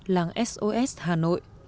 làng sos hà nội